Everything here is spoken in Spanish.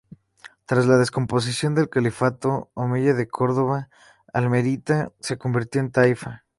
Tras la descomposición del califato omeya de Córdoba, Almería se convirtió en taifa.